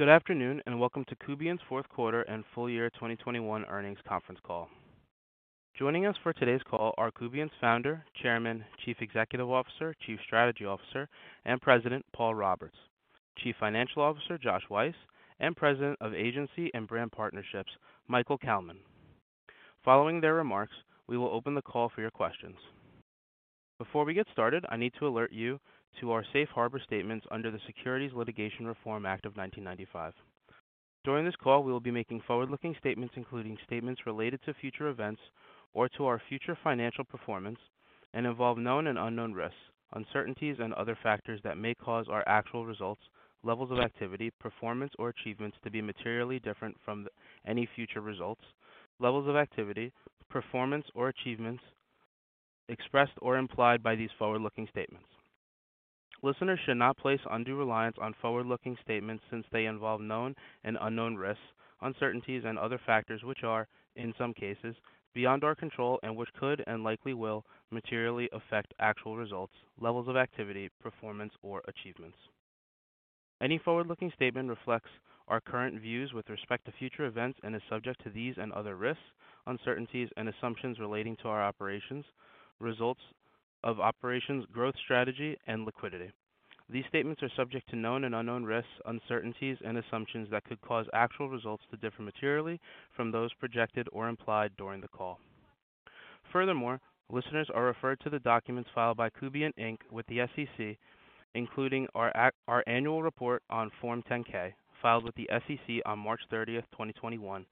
Good afternoon, and welcome to Kubient's fourth quarter and full year 2021 earnings conference call. Joining us for today's call are Kubient's Founder, Chairman, Chief Executive Officer, Chief Strategy Officer, and President, Paul Roberts; Chief Financial Officer, Josh Weiss; and President of Agency and Brand Partnerships, Michael Kalman. Following their remarks, we will open the call for your questions. Before we get started, I need to alert you to our safe harbor statements under the Private Securities Litigation Reform Act of 1995. During this call, we will be making forward-looking statements, including statements related to future events or to our future financial performance, and involve known and unknown risks, uncertainties, and other factors that may cause our actual results, levels of activity, performance, or achievements to be materially different from any future results, levels of activity, performance or achievements expressed or implied by these forward-looking statements. Listeners should not place undue reliance on forward-looking statements since they involve known and unknown risks, uncertainties and other factors which are, in some cases, beyond our control and which could and likely will materially affect actual results, levels of activity, performance, or achievements. Any forward-looking statement reflects our current views with respect to future events and is subject to these and other risks, uncertainties, and assumptions relating to our operations, results of operations, growth strategy, and liquidity. These statements are subject to known and unknown risks, uncertainties and assumptions that could cause actual results to differ materially from those projected or implied during the call. Furthermore, listeners are referred to the documents filed by Kubient, Inc. with the SEC, including our annual report on Form 10-K, filed with the SEC on March 30, 2021,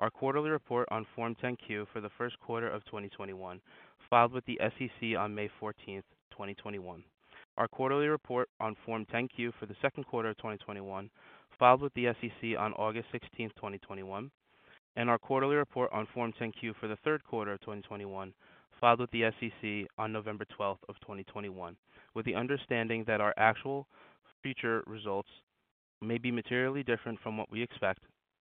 our quarterly report on Form 10-Q for the first quarter of 2021, filed with the SEC on May 14, 2021, our quarterly report on Form 10-Q for the second quarter of 2021, filed with the SEC on August 16, 2021, and our quarterly report on Form 10-Q for the third quarter of 2021, filed with the SEC on November 12, 2021, with the understanding that our actual future results may be materially different from what we expect,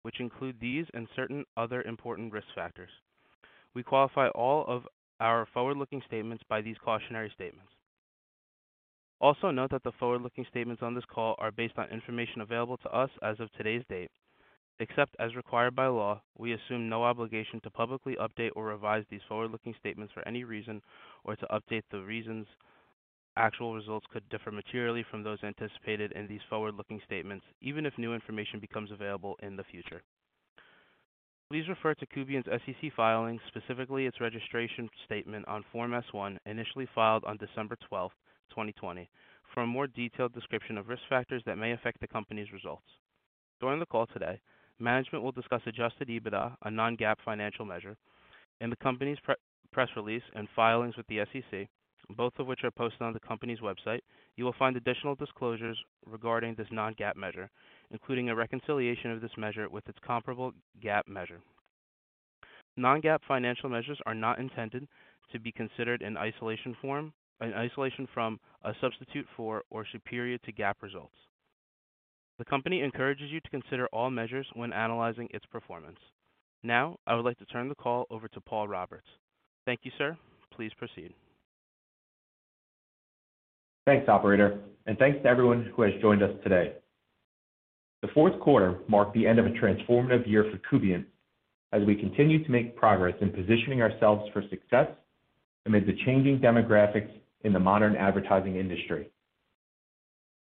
which include these and certain other important risk factors. We qualify all of our forward-looking statements by these cautionary statements. Also note that the forward-looking statements on this call are based on information available to us as of today's date. Except as required by law, we assume no obligation to publicly update or revise these forward-looking statements for any reason or to update the reasons actual results could differ materially from those anticipated in these forward-looking statements, even if new information becomes available in the future. Please refer to Kubient's SEC filings, specifically its registration statement on Form S-1, initially filed on December 12, 2020, for a more detailed description of risk factors that may affect the company's results. During the call today, management will discuss adjusted EBITDA, a non-GAAP financial measure. In the company's press release and filings with the SEC, both of which are posted on the company's website, you will find additional disclosures regarding this non-GAAP measure, including a reconciliation of this measure with its comparable GAAP measure. Non-GAAP financial measures are not intended to be considered in isolation or as a substitute for or superior to GAAP results. The company encourages you to consider all measures when analyzing its performance. Now, I would like to turn the call over to Paul Roberts. Thank you, sir. Please proceed. Thanks, operator, and thanks to everyone who has joined us today. The fourth quarter marked the end of a transformative year for Kubient as we continue to make progress in positioning ourselves for success amid the changing demographics in the modern advertising industry.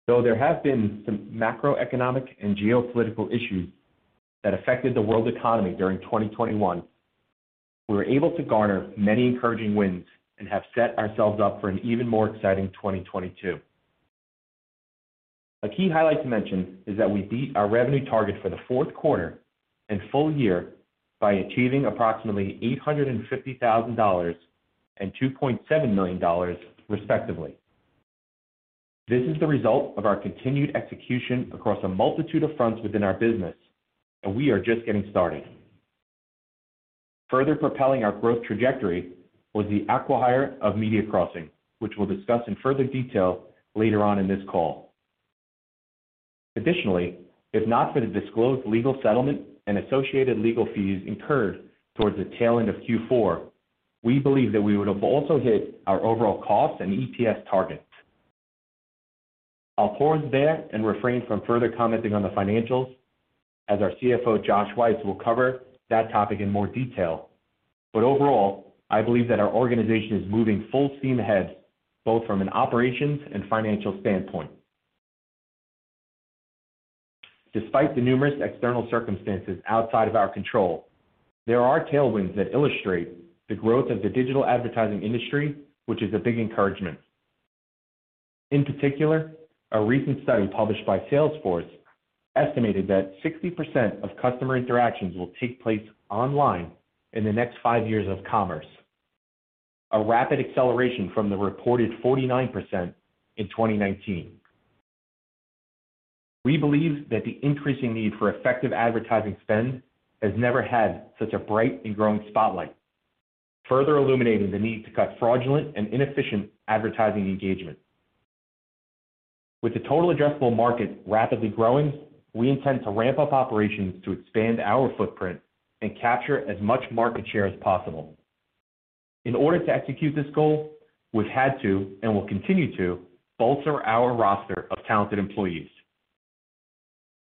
Though there have been some macroeconomic and geopolitical issues that affected the world economy during 2021, we were able to garner many encouraging wins and have set ourselves up for an even more exciting 2022. A key highlight to mention is that we beat our revenue target for the fourth quarter and full year by achieving approximately $850,000 and $2.7 million, respectively. This is the result of our continued execution across a multitude of fronts within our business, and we are just getting started. Further propelling our growth trajectory was the acquihire of MediaCrossing, which we'll discuss in further detail later on in this call. Additionally, if not for the disclosed legal settlement and associated legal fees incurred towards the tail end of Q4, we believe that we would have also hit our overall cost and EPS targets. I'll pause there and refrain from further commenting on the financials as our CFO, Josh Weiss, will cover that topic in more detail. Overall, I believe that our organization is moving full steam ahead, both from an operations and financial standpoint. Despite the numerous external circumstances outside of our control, there are tailwinds that illustrate the growth of the digital advertising industry, which is a big encouragement. In particular, a recent study published by Salesforce estimated that 60% of customer interactions will take place online in the next five years of commerce, a rapid acceleration from the reported 49% in 2019. We believe that the increasing need for effective advertising spend has never had such a bright and growing spotlight, further illuminating the need to cut fraudulent and inefficient advertising engagement. With the total addressable market rapidly growing, we intend to ramp up operations to expand our footprint and capture as much market share as possible. In order to execute this goal, we've had to and will continue to bolster our roster of talented employees.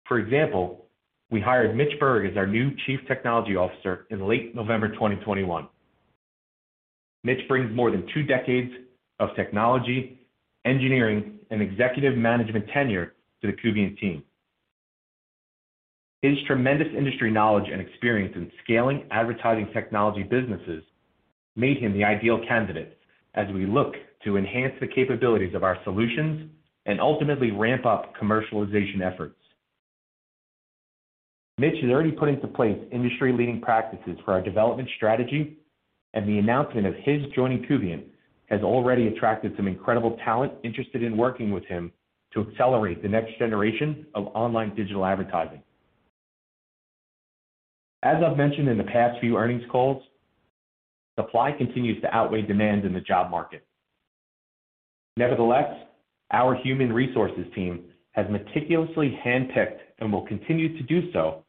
For example, we hired Mitch Berg as our new Chief Technology Officer in late November 2021. Mitch brings more than two decades of technology, engineering, and executive management tenure to the Kubient team. His tremendous industry knowledge and experience in scaling advertising technology businesses made him the ideal candidate as we look to enhance the capabilities of our solutions and ultimately ramp up commercialization efforts. Mitch has already put into place industry-leading practices for our development strategy, and the announcement of his joining Kubient has already attracted some incredible talent interested in working with him to accelerate the next generation of online digital advertising. As I've mentioned in the past few earnings calls, supply continues to outweigh demand in the job market. Nevertheless, our human resources team has meticulously handpicked, and will continue to do so,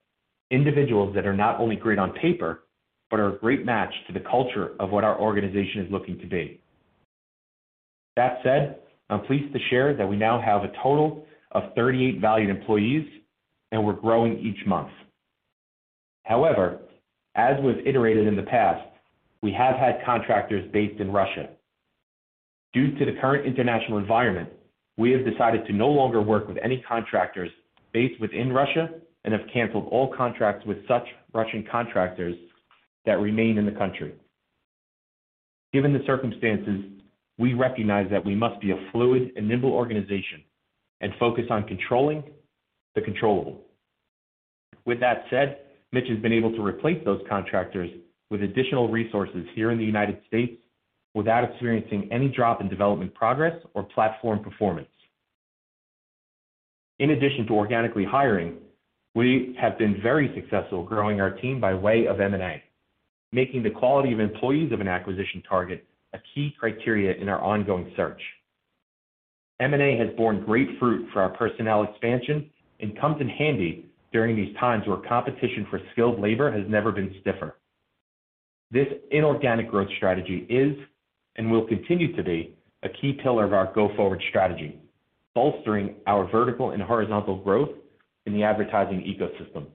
individuals that are not only great on paper, but are a great match to the culture of what our organization is looking to be. That said, I'm pleased to share that we now have a total of 38 valued employees, and we're growing each month. However, as was iterated in the past, we have had contractors based in Russia. Due to the current international environment, we have decided to no longer work with any contractors based within Russia and have canceled all contracts with such Russian contractors that remain in the country. Given the circumstances, we recognize that we must be a fluid and nimble organization and focus on controlling the controllable. With that said, Mitch has been able to replace those contractors with additional resources here in the United States without experiencing any drop in development progress or platform performance. In addition to organically hiring, we have been very successful growing our team by way of M&A, making the quality of employees of an acquisition target a key criteria in our ongoing search. M&A has borne great fruit for our personnel expansion and comes in handy during these times where competition for skilled labor has never been stiffer. This inorganic growth strategy is and will continue to be a key pillar of our go-forward strategy, bolstering our vertical and horizontal growth in the advertising ecosystem.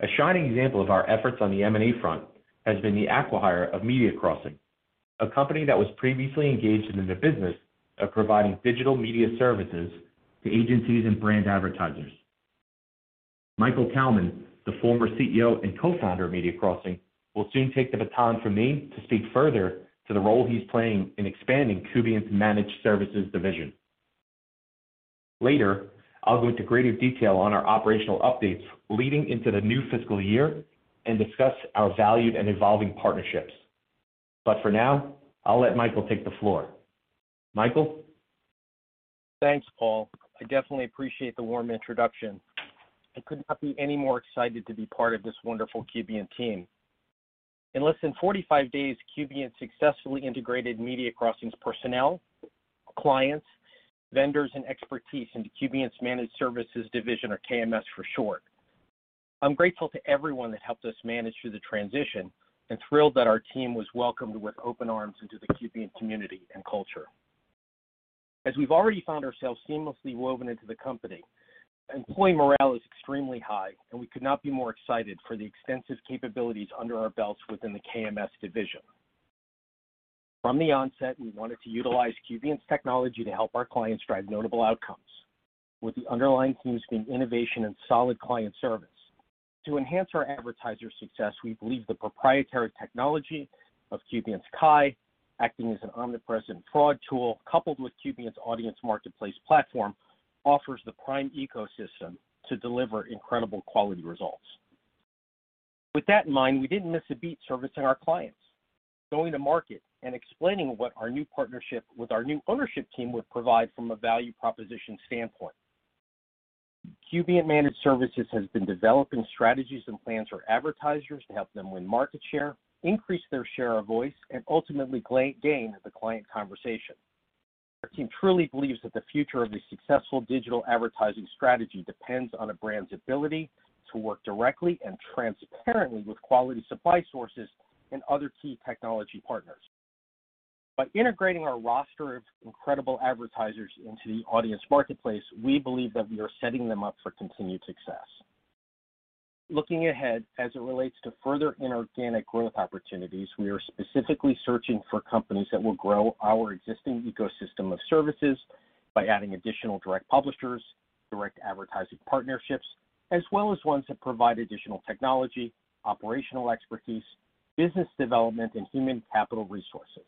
A shining example of our efforts on the M&A front has been the acquihire of MediaCrossing, a company that was previously engaged in the business of providing digital media services to agencies and brand advertisers. Michael Kalman, the former CEO and co-founder of MediaCrossing, will soon take the baton from me to speak further to the role he's playing in expanding Kubient's Managed Services division. Later, I'll go into greater detail on our operational updates leading into the new fiscal year and discuss our valued and evolving partnerships. For now, I'll let Michael take the floor. Michael? Thanks, Paul. I definitely appreciate the warm introduction. I could not be any more excited to be part of this wonderful Kubient team. In less than 45 days, Kubient successfully integrated MediaCrossing's personnel, clients, vendors, and expertise into Kubient's Managed Services division or KMS for short. I'm grateful to everyone that helped us manage through the transition and thrilled that our team was welcomed with open arms into the Kubient community and culture. As we've already found ourselves seamlessly woven into the company, employee morale is extremely high, and we could not be more excited for the extensive capabilities under our belts within the KMS division. From the onset, we wanted to utilize Kubient's technology to help our clients drive notable outcomes, with the underlying themes being innovation and solid client service. To enhance our advertisers' success, we believe the proprietary technology of Kubient's KAI, acting as an omnipresent fraud tool coupled with Kubient's Audience Marketplace platform, offers the prime ecosystem to deliver incredible quality results. With that in mind, we didn't miss a beat servicing our clients, going to market, and explaining what our new partnership with our new ownership team would provide from a value proposition standpoint. Kubient Managed Services has been developing strategies and plans for advertisers to help them win market share, increase their share of voice, and ultimately gain the client conversation. Our team truly believes that the future of a successful digital advertising strategy depends on a brand's ability to work directly and transparently with quality supply sources and other key technology partners. By integrating our roster of incredible advertisers into the Audience Marketplace, we believe that we are setting them up for continued success. Looking ahead, as it relates to further inorganic growth opportunities, we are specifically searching for companies that will grow our existing ecosystem of services by adding additional direct publishers, direct advertising partnerships, as well as ones that provide additional technology, operational expertise, business development, and human capital resources.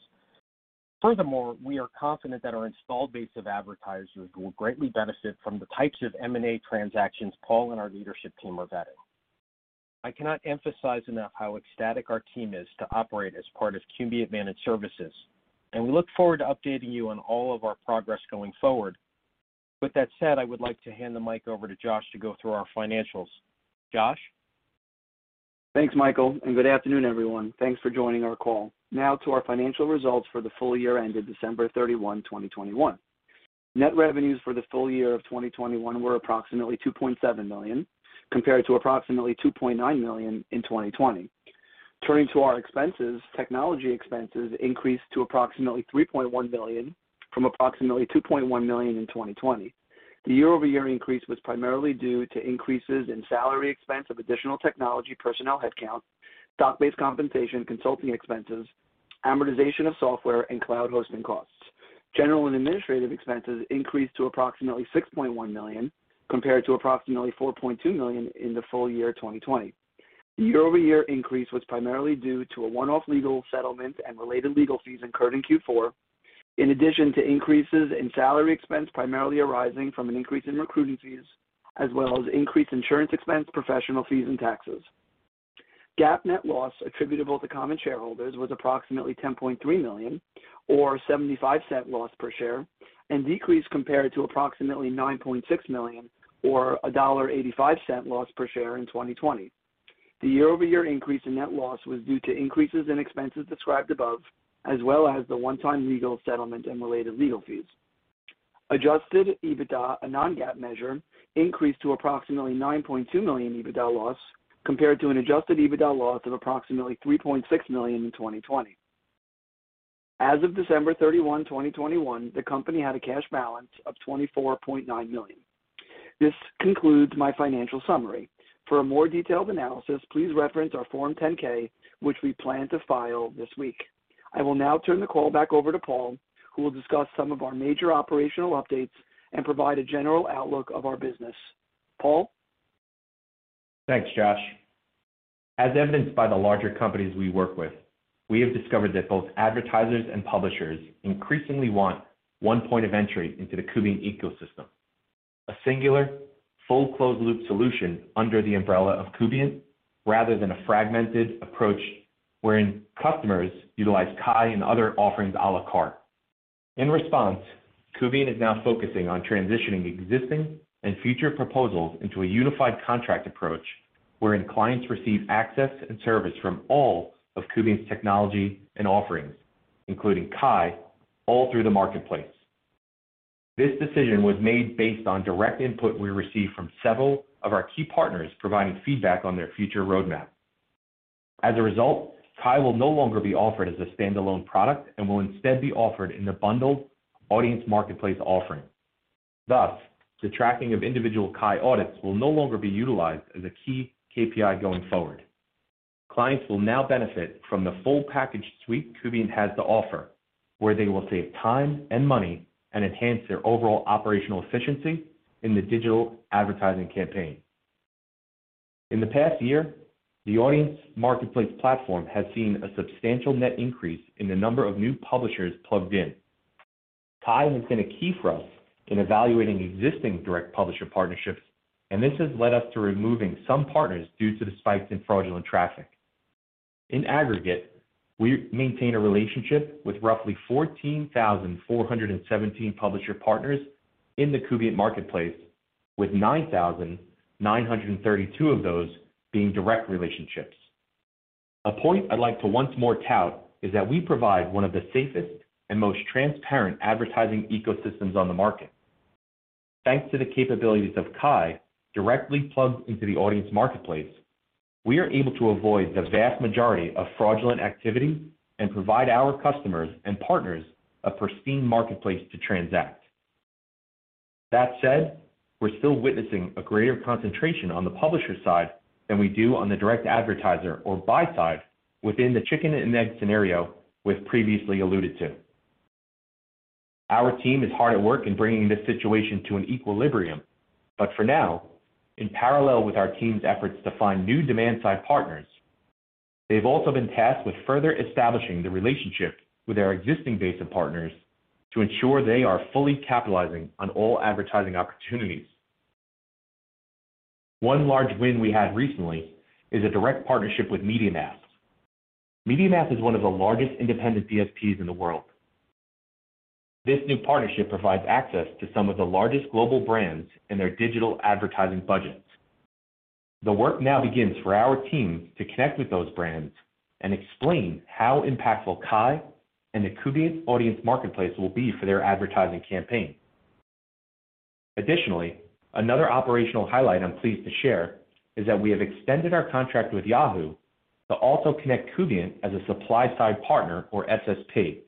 Furthermore, we are confident that our installed base of advertisers will greatly benefit from the types of M&A transactions Paul and our leadership team are vetting. I cannot emphasize enough how ecstatic our team is to operate as part of Kubient Managed Services, and we look forward to updating you on all of our progress going forward. With that said, I would like to hand the mic over to Josh to go through our financials. Josh? Thanks, Michael, and good afternoon, everyone. Thanks for joining our call. Now to our financial results for the full year ended December 31, 2021. Net revenues for the full year of 2021 were approximately $2.7 million, compared to approximately $2.9 million in 2020. Turning to our expenses, technology expenses increased to approximately $3.1 million from approximately $2.1 million in 2020. The year-over-year increase was primarily due to increases in salary expense of additional technology personnel headcount, stock-based compensation, consulting expenses, amortization of software, and cloud hosting costs. General and administrative expenses increased to approximately $6.1 million, compared to approximately $4.2 million in the full year of 2020. The year-over-year increase was primarily due to a one-off legal settlement and related legal fees incurred in Q4, in addition to increases in salary expense, primarily arising from an increase in recruiting fees, as well as increased insurance expense, professional fees, and taxes. GAAP net loss attributable to common shareholders was approximately $10.3 million or $0.75 loss per share, and decreased compared to approximately $9.6 million or $1.85 loss per share in 2020. The year-over-year increase in net loss was due to increases in expenses described above, as well as the one-time legal settlement and related legal fees. Adjusted EBITDA, a non-GAAP measure, increased to approximately $9.2 million EBITDA loss compared to an adjusted EBITDA loss of approximately $3.6 million in 2020. As of December 31, 2021, the company had a cash balance of $24.9 million. This concludes my financial summary. For a more detailed analysis, please reference our Form 10-K, which we plan to file this week. I will now turn the call back over to Paul, who will discuss some of our major operational updates and provide a general outlook of our business. Paul. Thanks, Josh. As evidenced by the larger companies we work with, we have discovered that both advertisers and publishers increasingly want one point of entry into the Kubient ecosystem. A singular full closed-loop solution under the umbrella of Kubient, rather than a fragmented approach wherein customers utilize KAI and other offerings à la carte. In response, Kubient is now focusing on transitioning existing and future proposals into a unified contract approach wherein clients receive access and service from all of Kubient's technology and offerings, including KAI, all through the marketplace. This decision was made based on direct input we received from several of our key partners providing feedback on their future roadmap. As a result, KAI will no longer be offered as a standalone product and will instead be offered in the bundled Audience Marketplace offering. Thus, the tracking of individual KAI audits will no longer be utilized as a key KPI going forward. Clients will now benefit from the full package suite Kubient has to offer, where they will save time and money and enhance their overall operational efficiency in the digital advertising campaign. In the past year, the Audience Marketplace platform has seen a substantial net increase in the number of new publishers plugged in. KAI has been a key for us in evaluating existing direct publisher partnerships, and this has led us to removing some partners due to the spikes in fraudulent traffic. In aggregate, we maintain a relationship with roughly 14,417 publisher partners in the Kubient marketplace, with 9,932 of those being direct relationships. A point I'd like to once more tout is that we provide one of the safest and most transparent advertising ecosystems on the market. Thanks to the capabilities of KAI directly plugged into the Audience Marketplace, we are able to avoid the vast majority of fraudulent activity and provide our customers and partners a pristine marketplace to transact. That said, we're still witnessing a greater concentration on the publisher side than we do on the direct advertiser or buy side within the chicken and egg scenario we've previously alluded to. Our team is hard at work in bringing this situation to an equilibrium. For now, in parallel with our team's efforts to find new demand-side partners, they've also been tasked with further establishing the relationship with our existing base of partners to ensure they are fully capitalizing on all advertising opportunities. One large win we had recently is a direct partnership with MediaMath. MediaMath is one of the largest independent DSPs in the world. This new partnership provides access to some of the largest global brands in their digital advertising budgets. The work now begins for our teams to connect with those brands and explain how impactful KAI and the Kubient Audience Marketplace will be for their advertising campaign. Additionally, another operational highlight I'm pleased to share is that we have extended our contract with Yahoo to also connect Kubient as a supply-side partner or SSP,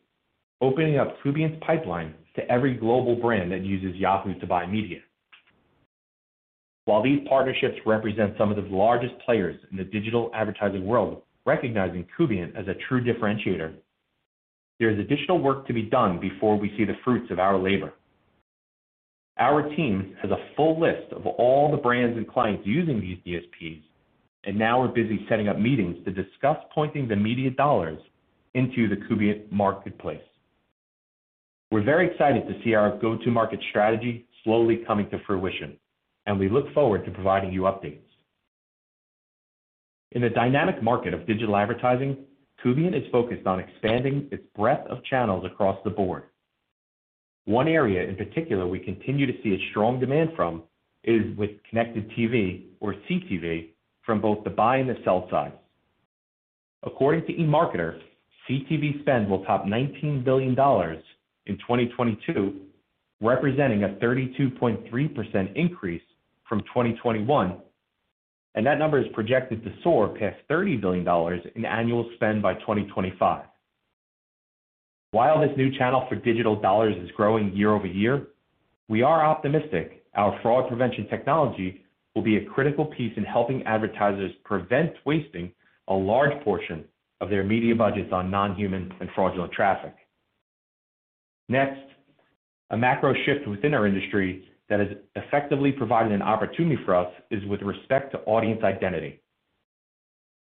opening up Kubient's pipeline to every global brand that uses Yahoo to buy media. While these partnerships represent some of the largest players in the digital advertising world, recognizing Kubient as a true differentiator, there is additional work to be done before we see the fruits of our labor. Our team has a full list of all the brands and clients using these DSPs, and now we're busy setting up meetings to discuss pointing the media dollars into the Kubient marketplace. We're very excited to see our go-to market strategy slowly coming to fruition, and we look forward to providing you updates. In the dynamic market of digital advertising, Kubient is focused on expanding its breadth of channels across the board. One area in particular we continue to see a strong demand from is with connected TV or CTV from both the buy and the sell side. According to eMarketer, CTV spend will top $19 billion in 2022, representing a 32.3% increase from 2021, and that number is projected to soar past $30 billion in annual spend by 2025. While this new channel for digital dollars is growing year over year, we are optimistic our fraud prevention technology will be a critical piece in helping advertisers prevent wasting a large portion of their media budgets on non-human and fraudulent traffic. Next, a macro shift within our industry that has effectively provided an opportunity for us is with respect to audience identity.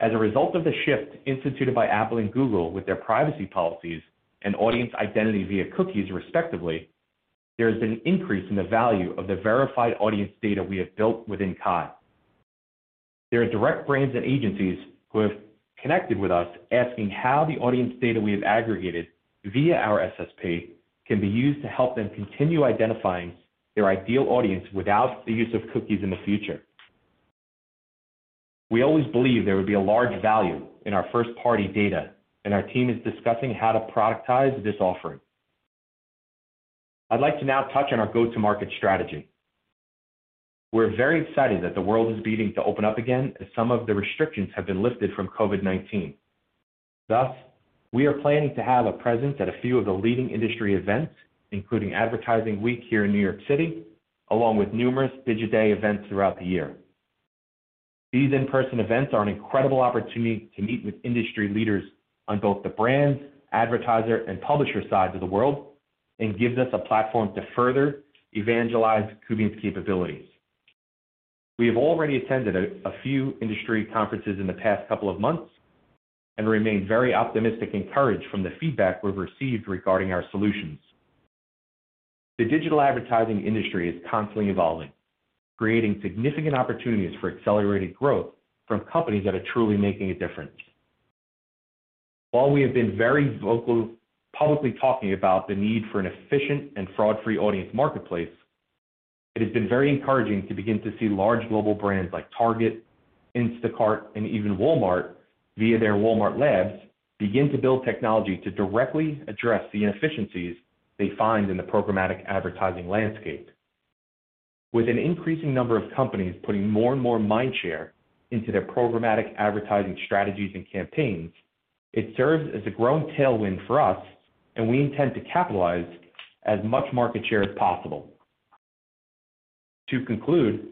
As a result of the shift instituted by Apple and Google with their privacy policies and audience identity via cookies respectively, there has been an increase in the value of the verified audience data we have built within KAI. There are direct brands and agencies who have connected with us asking how the audience data we have aggregated via our SSP can be used to help them continue identifying their ideal audience without the use of cookies in the future. We always believe there would be a large value in our first party data, and our team is discussing how to productize this offering. I'd like to now touch on our go-to-market strategy. We're very excited that the world is beginning to open up again as some of the restrictions have been lifted from COVID-19. Thus, we are planning to have a presence at a few of the leading industry events, including Advertising Week here in New York City, along with numerous Digiday events throughout the year. These in-person events are an incredible opportunity to meet with industry leaders on both the brands, advertiser, and publisher sides of the world and gives us a platform to further evangelize Kubient's capabilities. We have already attended a few industry conferences in the past couple of months and remain very optimistic and encouraged from the feedback we've received regarding our solutions. The digital advertising industry is constantly evolving, creating significant opportunities for accelerated growth from companies that are truly making a difference. While we have been very vocal, publicly talking about the need for an efficient and fraud-free audience marketplace, it has been very encouraging to begin to see large global brands like Target, Instacart, and even Walmart, via their Walmart Labs, begin to build technology to directly address the inefficiencies they find in the programmatic advertising landscape. With an increasing number of companies putting more and more mind share into their programmatic advertising strategies and campaigns, it serves as a growing tailwind for us, and we intend to capitalize as much market share as possible. To conclude,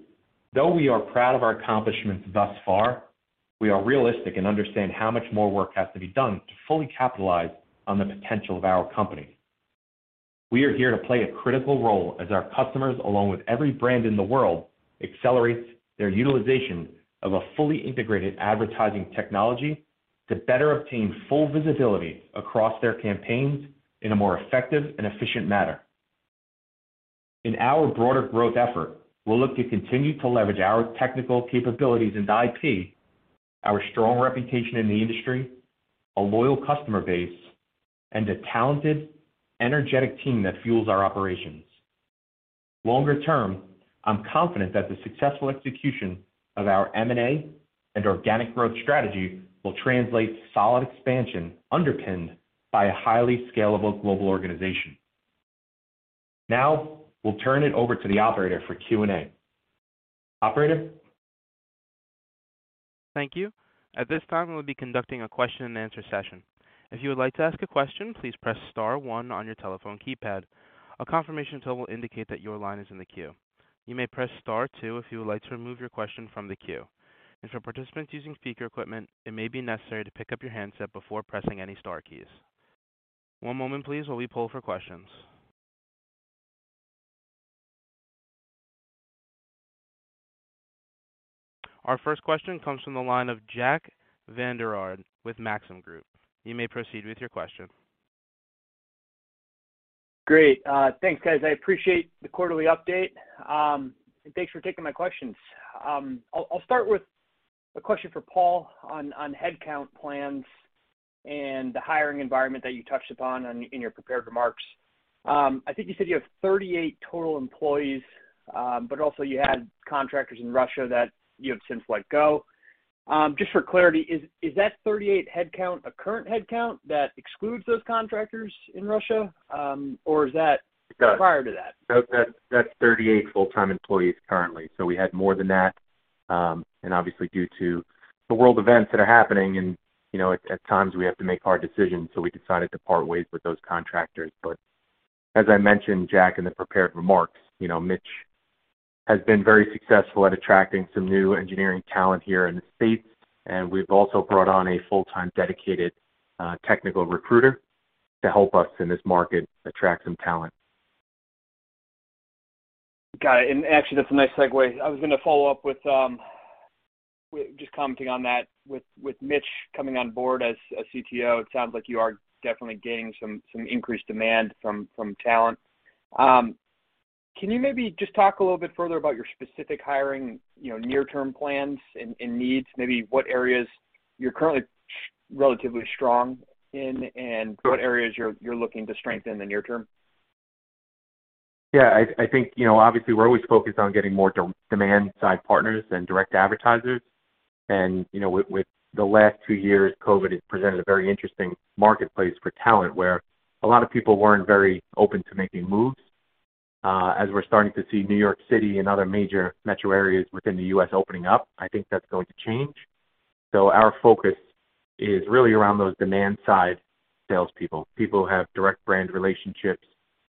though we are proud of our accomplishments thus far, we are realistic and understand how much more work has to be done to fully capitalize on the potential of our company. We are here to play a critical role as our customers, along with every brand in the world, accelerate their utilization of a fully integrated advertising technology to better obtain full visibility across their campaigns in a more effective and efficient manner. In our broader growth effort, we'll look to continue to leverage our technical capabilities and IP, our strong reputation in the industry, a loyal customer base, and a talented, energetic team that fuels our operations. Longer term, I'm confident that the successful execution of our M&A and organic growth strategy will translate into solid expansion underpinned by a highly scalable global organization. Now, we'll turn it over to the operator for Q&A. Operator? Thank you. At this time, we'll be conducting a question and answer session. If you would like to ask a question, please press star one on your telephone keypad. A confirmation tone will indicate that your line is in the queue. You may press star two if you would like to remove your question from the queue. For participants using speaker equipment, it may be necessary to pick up your handset before pressing any star keys. One moment please while we poll for questions. Our first question comes from the line of Jack Vander Aarde with Maxim Group. You may proceed with your question. Great. Thanks, guys. I appreciate the quarterly update. And thanks for taking my questions. I'll start with a question for Paul on headcount plans and the hiring environment that you touched upon in your prepared remarks. I think you said you have 38 total employees, but also you had contractors in Russia that you have since let go. Just for clarity, is that 38 headcount a current headcount that excludes those contractors in Russia, or is that- It does. Prior to that? That's 38 full-time employees currently. We had more than that, and obviously due to the world events that are happening and, you know, at times we have to make hard decisions, so we decided to part ways with those contractors. As I mentioned, Jack, in the prepared remarks, you know, Mitch has been very successful at attracting some new engineering talent here in the States, and we've also brought on a full-time dedicated technical recruiter to help us in this market attract some talent. Got it. Actually, that's a nice segue. I was gonna follow up with just commenting on that. With Mitch coming on board as CTO, it sounds like you are definitely gaining some increased demand from talent. Can you maybe just talk a little bit further about your specific hiring, you know, near-term plans and needs, maybe what areas you're currently relatively strong in and what areas you're looking to strengthen in the near term? Yeah, I think, you know, obviously we're always focused on getting more demand side partners than direct advertisers. You know, with the last two years, COVID has presented a very interesting marketplace for talent, where a lot of people weren't very open to making moves. As we're starting to see New York City and other major metro areas within the U.S. opening up, I think that's going to change. Our focus is really around those demand side salespeople. People who have direct brand relationships,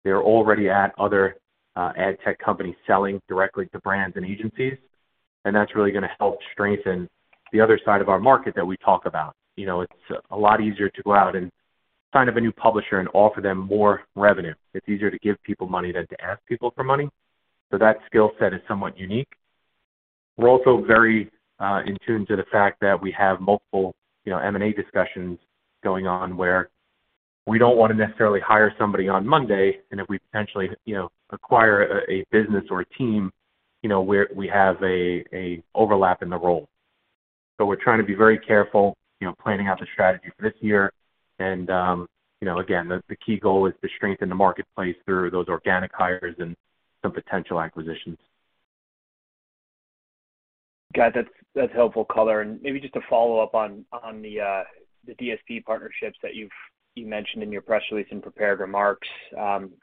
they're already at other ad tech companies selling directly to brands and agencies, and that's really gonna help strengthen the other side of our market that we talk about. You know, it's a lot easier to go out and sign up a new publisher and offer them more revenue. It's easier to give people money than to ask people for money. That skill set is somewhat unique. We're also very in tune to the fact that we have multiple, you know, M&A discussions going on where we don't wanna necessarily hire somebody on Monday, and if we potentially, you know, acquire a business or a team, you know, where we have a overlap in the role. We're trying to be very careful, you know, planning out the strategy for this year. You know, again, the key goal is to strengthen the marketplace through those organic hires and some potential acquisitions. Got it. That's helpful color. Maybe just to follow up on the DSP partnerships that you've mentioned in your press release and prepared remarks.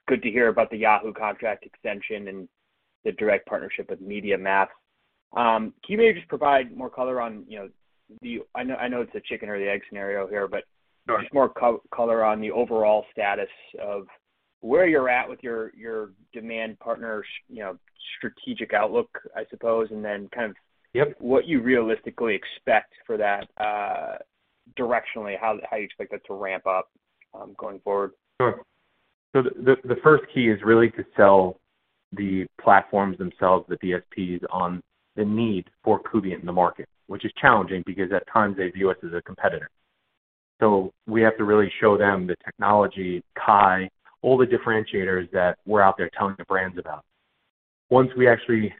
Good to hear about the Yahoo contract extension and the direct partnership with MediaMath. Can you maybe just provide more color on, you know, the. I know it's the chicken or the egg scenario here, but. Sure. Just more color on the overall status of where you're at with your demand partner, you know, strategic outlook, I suppose, and then kind of. Yep. what you realistically expect for that, directionally, how you expect that to ramp up, going forward. Sure. The first key is really to sell the platforms themselves, the DSPs, on the need for Kubient in the market, which is challenging because at times they view us as a competitor. We have to really show them the technology, KAI, all the differentiators that we're out there telling the brands about. Once we actually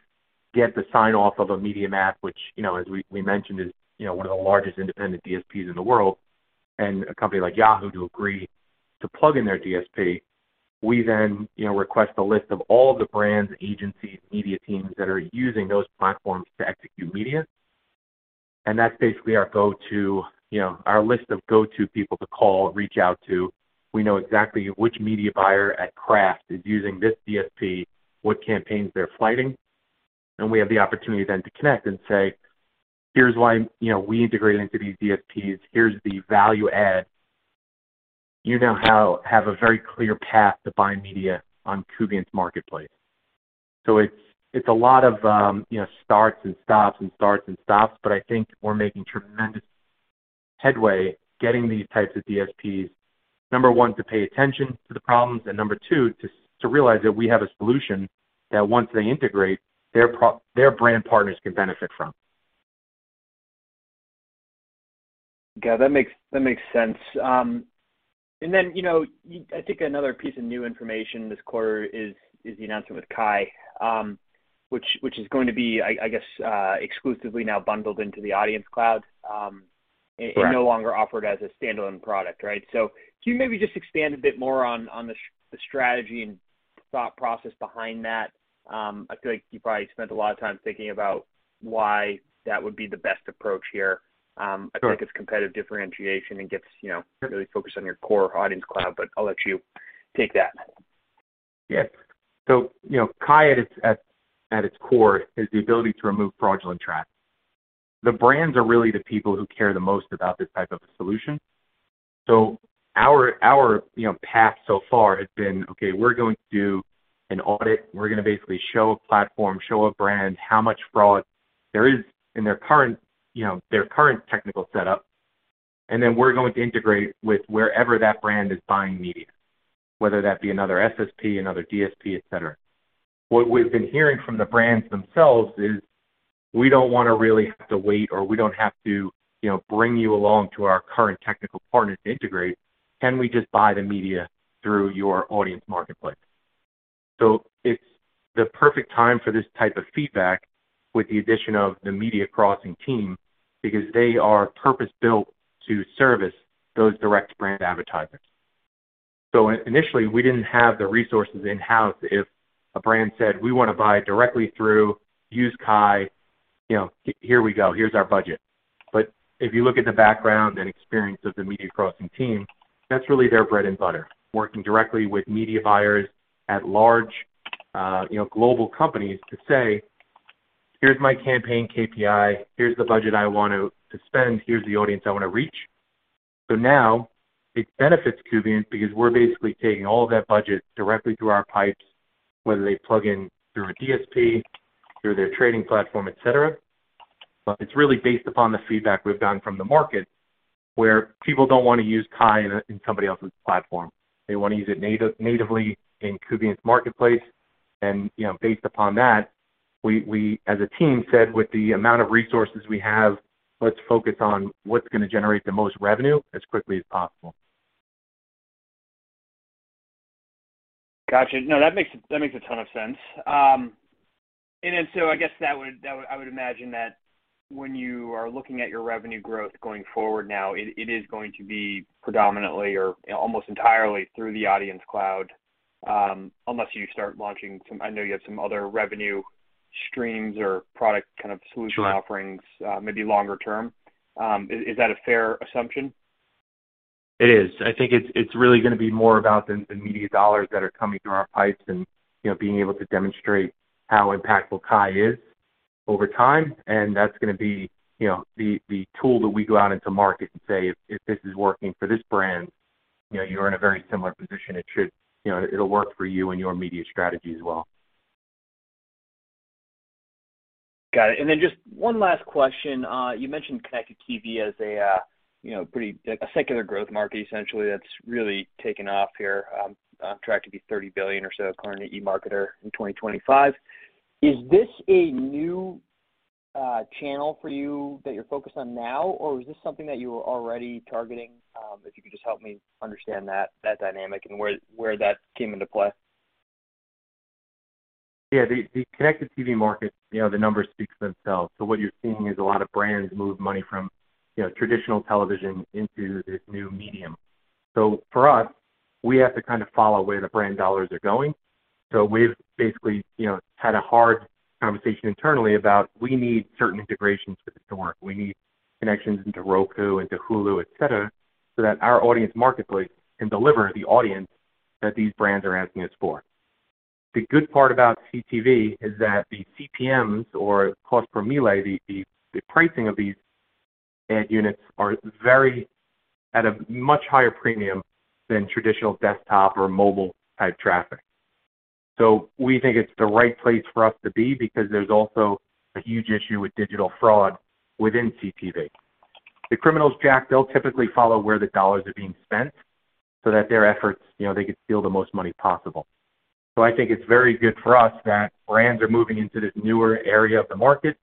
get the sign-off of a MediaMath, which, you know, as we mentioned, is, you know, one of the largest independent DSPs in the world, and a company like Yahoo to agree to plug in their DSP, we then, you know, request a list of all the brands, agencies, media teams that are using those platforms to execute media. That's basically our go-to, you know, our list of go-to people to call, reach out to. We know exactly which media buyer at Kraft is using this DSP, what campaigns they're flighting, and we have the opportunity then to connect and say, "Here's why, you know, we integrate into these DSPs. Here's the value add. You now have a very clear path to buying media on Kubient's marketplace." It's a lot of, you know, starts and stops and starts and stops, but I think we're making tremendous headway getting these types of DSPs, number one, to pay attention to the problems, and number two, to realize that we have a solution that once they integrate, their brand partners can benefit from. Yeah, that makes sense. You know, I think another piece of new information this quarter is the announcement with KAI, which is going to be, I guess, exclusively now bundled into the Audience Cloud. Correct. No longer offered as a standalone product, right? Can you maybe just expand a bit more on the strategy and thought process behind that? I feel like you probably spent a lot of time thinking about why that would be the best approach here. Sure. I think it's competitive differentiation and gets, you know, really focused on your core Audience Cloud, but I'll let you take that. Yeah. You know, KAI at its core is the ability to remove fraudulent traffic. The brands are really the people who care the most about this type of a solution. Our, you know, path so far has been, okay, we're going to do an audit. We're gonna basically show a platform, show a brand how much fraud there is in their current, you know, technical setup. We're going to integrate with wherever that brand is buying media, whether that be another SSP, another DSP, et cetera. What we've been hearing from the brands themselves is, "We don't wanna really have to wait, or we don't have to, you know, bring you along to our current technical partner to integrate. Can we just buy the media through your Audience Marketplace?" It's the perfect time for this type of feedback with the addition of the MediaCrossing team because they are purpose-built to service those direct brand advertisers. Initially, we didn't have the resources in-house if a brand said, "We wanna buy directly through, use KAI, you know, here we go. Here's our budget." If you look at the background and experience of the MediaCrossing team, that's really their bread and butter, working directly with media buyers at large, you know, global companies to say, "Here's my campaign KPI. Here's the budget I want to spend. Here's the audience I wanna reach." Now it benefits Kubient because we're basically taking all of that budget directly through our pipes, whether they plug in through a DSP, through their trading platform, et cetera. It's really based upon the feedback we've gotten from the market, where people don't wanna use KAI in somebody else's platform. They wanna use it natively in Kubient's marketplace. You know, based upon that, we as a team said, with the amount of resources we have, let's focus on what's gonna generate the most revenue as quickly as possible. Gotcha. No, that makes a ton of sense. I guess I would imagine that when you are looking at your revenue growth going forward now, it is going to be predominantly or almost entirely through the Audience Cloud, unless you start launching some. I know you have some other revenue streams or product kind of solution offerings. Sure. Maybe longer term. Is that a fair assumption? It is. I think it's really gonna be more about the media dollars that are coming through our pipes and, you know, being able to demonstrate how impactful KAI is over time. That's gonna be, you know, the tool that we go out into market and say if this is working for this brand, you know, you're in a very similar position. It should, you know, it'll work for you and your media strategy as well. Got it. Just one last question. You mentioned connected TV as a, you know, pretty a secular growth market essentially, that's really taken off here, on track to be $30 billion or so according to eMarketer in 2025. Is this a new channel for you that you're focused on now, or is this something that you were already targeting? If you could just help me understand that dynamic and where that came into play. Yeah. The connected TV market, you know, the numbers speak for themselves. What you're seeing is a lot of brands move money from, you know, traditional television into this new medium. For us, we have to kind of follow where the brand dollars are going. We've basically, you know, had a hard conversation internally about we need certain integrations for this to work. We need connections into Roku, into Hulu, et cetera, so that our Audience Marketplace can deliver the audience that these brands are asking us for. The good part about CTV is that the CPMs or cost per mille, the pricing of these ad units are very at a much higher premium than traditional desktop or mobile type traffic. We think it's the right place for us to be because there's also a huge issue with digital fraud within CTV. The criminals, Jack, they'll typically follow where the dollars are being spent so that their efforts, you know, they could steal the most money possible. I think it's very good for us that brands are moving into this newer area of the market.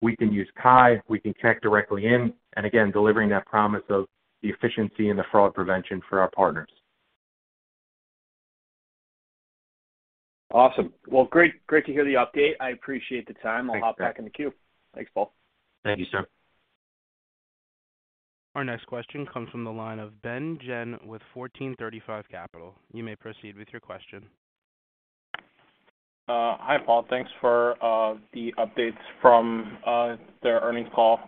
We can use KAI, we can connect directly in, and again, delivering that promise of the efficiency and the fraud prevention for our partners. Awesome. Well, great to hear the update. I appreciate the time. Thanks, Jack. I'll hop back in the queue. Thanks, Paul. Thank you, sir. Our next question comes from the line of Ben Jen with 1435 Capital Management. You may proceed with your question. Hi, Paul. Thanks for the updates from the earnings call.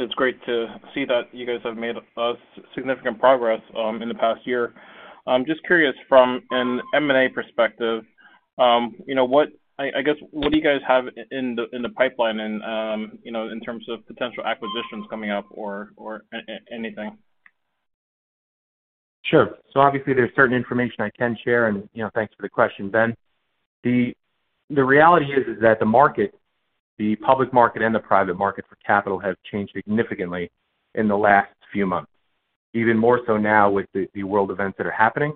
It's great to see that you guys have made a significant progress in the past year. I'm just curious from an M&A perspective, you know, what, I guess, what do you guys have in the pipeline and, you know, in terms of potential acquisitions coming up or anything? Sure. Obviously, there's certain information I can share, and, you know, thanks for the question, Ben. The reality is that the market, the public market and the private market for capital has changed significantly in the last few months, even more so now with the world events that are happening.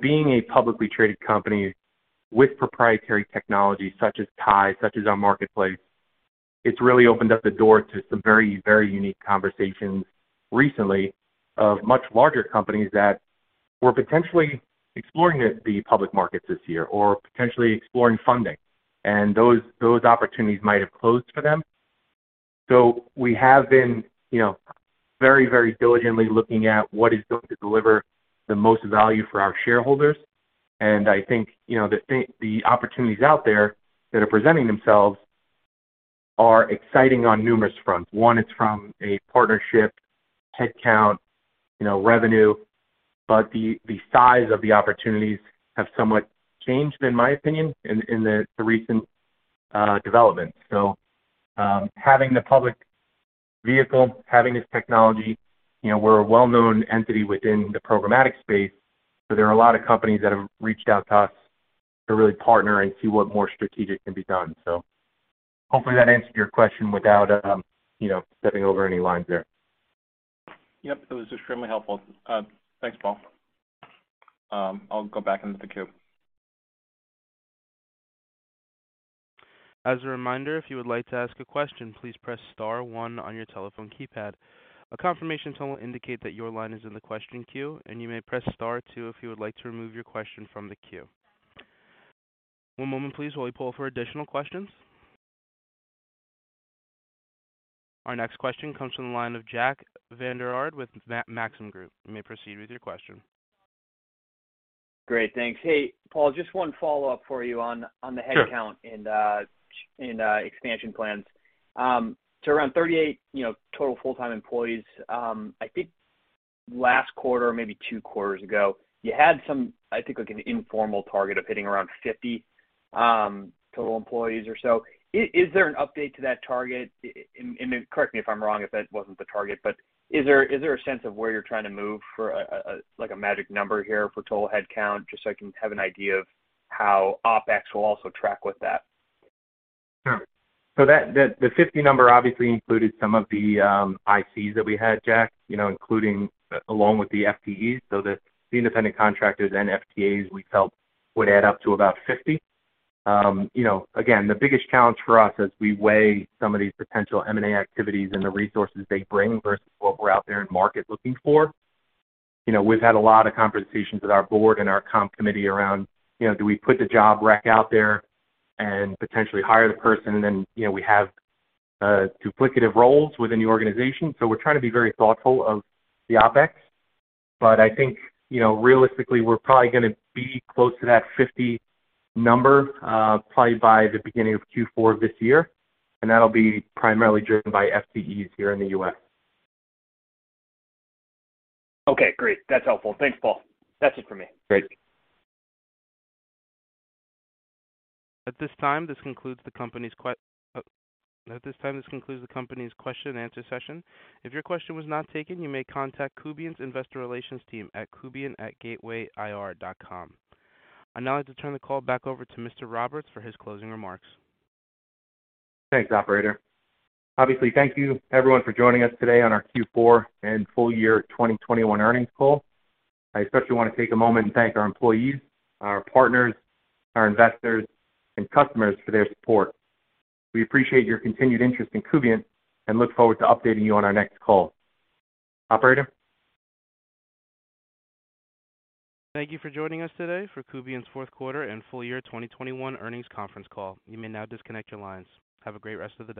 Being a publicly traded company with proprietary technology such as KAI, such as our marketplace, it's really opened up the door to some very unique conversations recently of much larger companies that were potentially exploring the public markets this year or potentially exploring funding, and those opportunities might have closed for them. We have been, you know, very diligently looking at what is going to deliver the most value for our shareholders. I think, you know, the opportunities out there that are presenting themselves are exciting on numerous fronts. One is from a partnership, head count, you know, revenue, but the size of the opportunities have somewhat changed in my opinion in the recent developments. Having the public vehicle, having this technology, you know, we're a well-known entity within the programmatic space, so there are a lot of companies that have reached out to us to really partner and see what more strategic can be done. Hopefully that answered your question without, you know, stepping over any lines there. Yep. It was extremely helpful. Thanks, Paul. I'll go back into the queue. As a reminder, if you would like to ask a question, please press star one on your telephone keypad. A confirmation tone will indicate that your line is in the question queue, and you may press star two if you would like to remove your question from the queue. One moment, please, while we poll for additional questions. Our next question comes from the line of Jack Vander Aarde with Maxim Group. You may proceed with your question. Great. Thanks. Hey, Paul, just one follow-up for you on the- Sure. Headcount and expansion plans. Around 38, you know, total full-time employees, I think last quarter or maybe two quarters ago, you had some, I think like an informal target of hitting around 50 total employees or so. Is there an update to that target? And correct me if I'm wrong if that wasn't the target, but is there a sense of where you're trying to move for, like a magic number here for total headcount, just so I can have an idea of how OpEx will also track with that? Sure. The 50 number obviously included some of the ICs that we had, Jack, you know, including along with the FTEs. The independent contractors and FTEs, we felt would add up to about 50. You know, again, the biggest challenge for us as we weigh some of these potential M&A activities and the resources they bring versus what we're out there in market looking for. You know, we've had a lot of conversations with our board and our comp committee around, you know, do we put the job rec out there and potentially hire the person and then, you know, we have duplicative roles within the organization. We're trying to be very thoughtful of the OpEx. I think, you know, realistically, we're probably gonna be close to that 50 number, probably by the beginning of Q4 this year, and that'll be primarily driven by FTEs here in the U.S. Okay, great. That's helpful. Thanks, Paul. That's it for me. Great. At this time, this concludes the company's question and answer session. If your question was not taken, you may contact Kubient's investor relations team at kubient@gatewayir.com. I'd now like to turn the call back over to Mr. Roberts for his closing remarks. Thanks, operator. Obviously, thank you everyone for joining us today on our Q4 and full year 2021 earnings call. I especially wanna take a moment and thank our employees, our partners, our investors, and customers for their support. We appreciate your continued interest in Kubient and look forward to updating you on our next call. Operator? Thank you for joining us today for Kubient's fourth quarter and full year 2021 earnings conference call. You may now disconnect your lines. Have a great rest of the day.